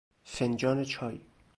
فنجان چای